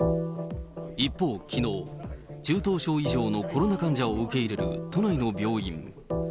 一方、きのう、中等症以上のコロナ患者を受け入れる都内の病院。